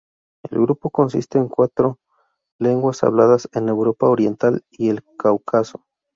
El grupo consiste en cuatro lenguas habladas en Europa oriental y el Cáucaso.